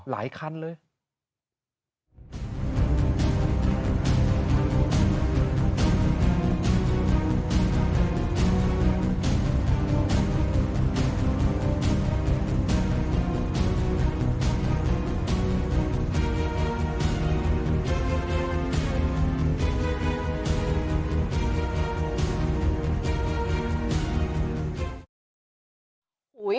หลายคันเลย